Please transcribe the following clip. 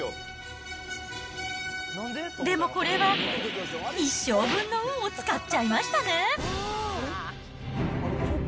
でもこれは、一生分の運を使っちゃいましたね。